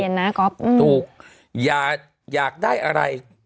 อธิบายอธิบายได้นะครับอืมกบถูกอยากได้อะไร